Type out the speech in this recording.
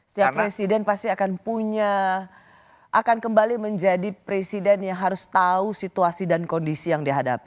setiap presiden pasti akan punya akan kembali menjadi presiden yang harus tahu situasi dan kondisi yang dihadapi